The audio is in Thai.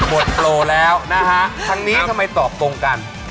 หมดโปรแล้วนะฮะทางนี้ทำไมตอบตรงกัน